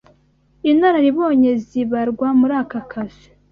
Inararibonye zibarwa muri aka kazi.